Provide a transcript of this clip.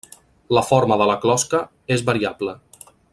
La forma de la closca és variable.